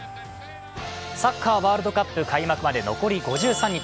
サッカー・ワールドカップ開幕まで残り５３日。